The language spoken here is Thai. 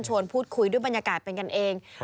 พูดคุยด้วยบรรยากาศเป็นกันเอง